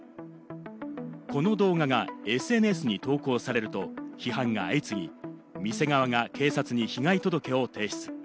この動画がＳＮＳに投稿されると批判が相次ぎ、店側が警察に被害届を提出。